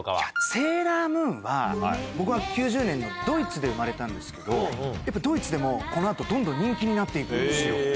セーラームーンは、僕は９０年のドイツで生まれたんですけど、やっぱドイツでも、このあとどんどん人気になっていくんですよ。